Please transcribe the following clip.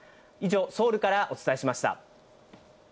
以上、ソウルからお伝えしました。